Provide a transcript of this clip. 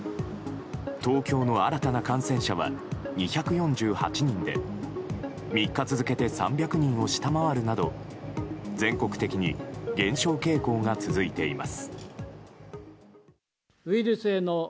東京の新たな感染者は２４８人で３日続けて３００人を下回るなど全国的に減少傾向が続いています。